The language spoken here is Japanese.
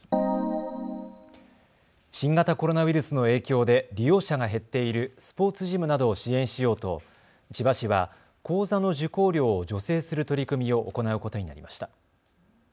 新型コロナウイルスの影響で利用者が減っているスポーツジムなどを支援しようと千葉市は講座の受講料を助成する取り組みを行うことになりました。